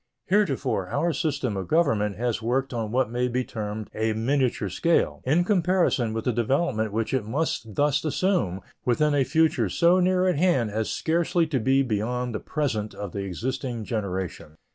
Heretofore our system of government has worked on what may be termed a miniature scale in comparison with the development which it must thus assume within a future so near at hand as scarcely to be beyond the present of the existing generation.